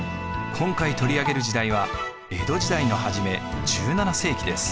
今回取り上げる時代は江戸時代の初め１７世紀です。